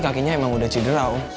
kakinya emang udah cedera om